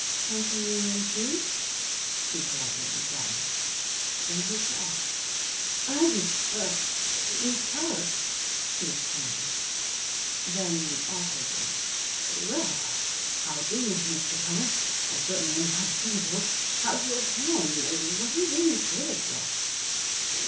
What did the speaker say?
"Something in shoes?" he politely inquired. Then he saw. "Ivy! ah Miss Keller!" he exclaimed. Then, awkwardly: "Well, how do, Mr. Keller. I certainly am glad to see you both. How's the old town? What are you doing in Slatersville?"